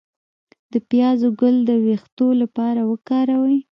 د پیاز ګل د ویښتو لپاره وکاروئ